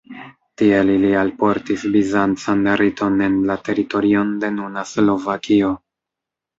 Tiel ili alportis bizancan riton en la teritorion de nuna Slovakio.